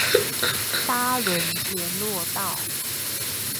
沙崙連絡道